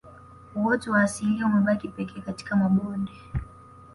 Uoto wa asilia umebaki pekee katika mabonde